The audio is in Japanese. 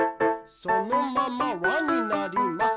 そのままわになります。